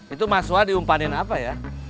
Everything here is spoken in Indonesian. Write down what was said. itu mas wa diumpanin apa ya